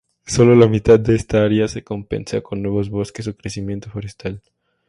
Solo la mitad de esta área se compensa con nuevos bosques o crecimiento forestal.